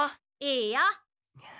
いいよ。